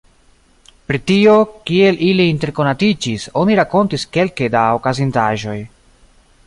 Pri tio, kiel ili interkonatiĝis, oni rakontis kelke da okazintaĵoj.